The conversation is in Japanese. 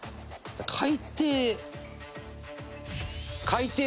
海底。